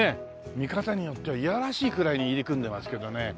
見方によってはいやらしいくらいに入り組んでますけどね。